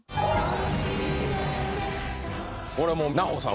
これもう奈穂さん